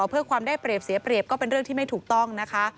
เพื่อความได้เปรียบเสียเปรียบก็เป็นเรื่องที่ไม่ถูกต้องนะคะ